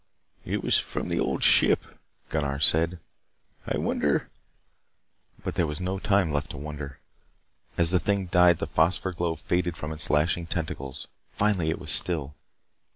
"It was from the Old Ship," Gunnar said. "I wonder " But there was no time left to wonder. As the thing died, the phosphor glow faded from its lashing tentacles. Finally it was still.